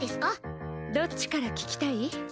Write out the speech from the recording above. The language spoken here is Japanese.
どっちから聞きたい？